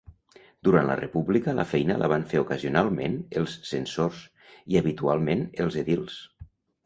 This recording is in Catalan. Durant la república la feina la van fer ocasionalment els censors i habitualment els edils.